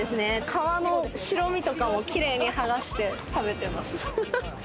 皮の白身とかをキレイに剥がして食べてます。